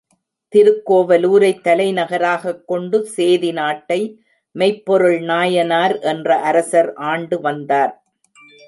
திருக்கோவலூரைத் தலைநகராகக் கொண்டு சேதி நாட்டை மெய்ப்பொருள் நாயனார் என்ற அரசர் ஆண்டு வந்தார்.